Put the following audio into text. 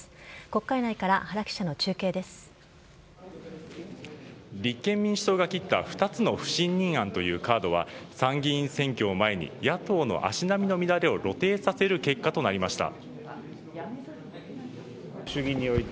国会内から原記者の中継です立憲民主党が切った２つの不信任案というカードは参議院選挙を前に野党の足並みの乱れを露呈させる結果となりました。